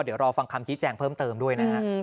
เดี๋ยวรอฟังคำชี้แจงเพิ่มเติมด้วยนะฮะ